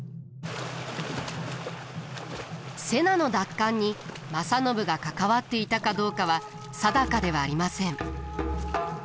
瀬名の奪還に正信が関わっていたかどうかは定かではありません。